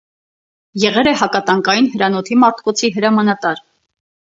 Եղել է հակատանկային հրանոթի մարտկոցի հրամանատար։